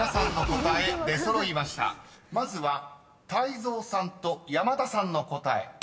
［まずは泰造さんと山田さんの答え］